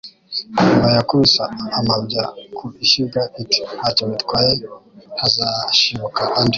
Imbeba yakubise amabya ku ishyiga iti ntacyo bitwaye hazashibuka andi